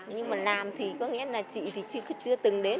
nhưng mà làm thì có nghĩa là chị thì chưa từng đến